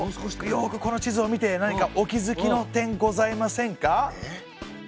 よくこの地図を見て何かお気づきの点ございませんか？